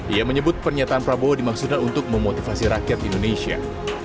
ia menyebut pernyataan prabowo dimaksudkan untuk memotivasi rakyat indonesia